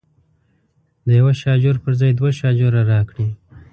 د یوه شاجور پر ځای دوه شاجوره راکړي.